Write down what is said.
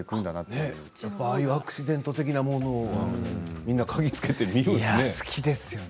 ああいうアクシデント的なものをみんなかぎつけて見るんですね。